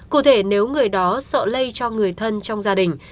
cụ thể nếu người đó sợ lây cho người thân trong gia đình